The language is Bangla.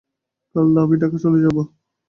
কাল আমি ঢাকা চলে যাব।